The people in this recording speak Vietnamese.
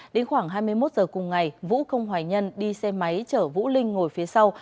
đến khoảng hai mươi một giờ cùng ngày vũ không hoài nhân đi xe máy chở vũ linh ngồi phía sau